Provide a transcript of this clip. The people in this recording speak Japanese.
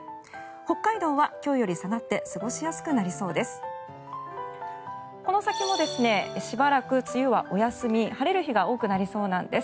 北海道は今日より下がって過ごしやすくなりそうです。